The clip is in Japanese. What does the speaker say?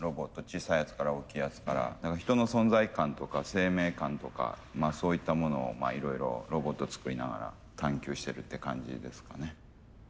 小さいやつから大きいやつから人の存在感とか生命感とかそういったものをいろいろロボットを作りながら探究してるって感じですかね。